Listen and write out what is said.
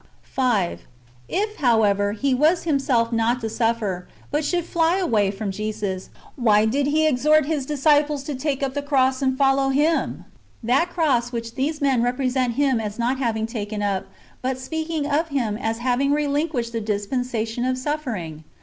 5. If, however. He was Himself not to suffer, but should fly away from Jesus, why did He exhort His disciples to take up the cross and follow Him, — that cross which these men represent Him as not having taken up, but [speak of Him] as having relinquished the dispensation of suffering?